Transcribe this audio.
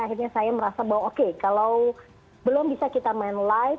akhirnya saya merasa bahwa oke kalau belum bisa kita main live